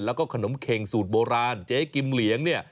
แล้วก็ขนมเข็งสูตรโบราณเจ๊กิมเหลียงเนี่ย